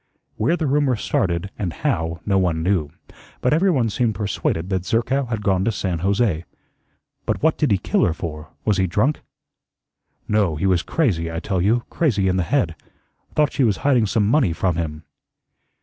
Where the rumor started, and how, no one knew. But every one seemed persuaded that Zerkow had gone to San Jose. "But what did he kill her for? Was he drunk?" "No, he was crazy, I tell you crazy in the head. Thought she was hiding some money from him."